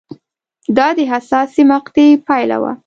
دا د حساسې مقطعې پایله وه